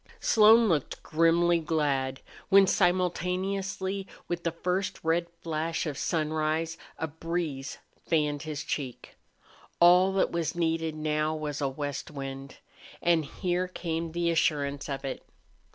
IV Slone looked grimly glad when simultaneously with the first red flash of sunrise a breeze fanned his cheek. All that was needed now was a west wind. And here came the assurance of it.